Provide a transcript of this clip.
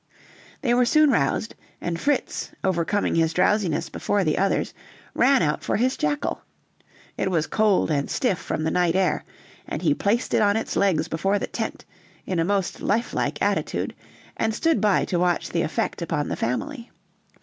They were soon roused, and Fritz, overcoming his drowsiness before the others, ran out for his jackal; it was cold and stiff from the night air, and he placed it on its legs before the tent, in a most life like attitude, and stood by to watch the effect upon the family.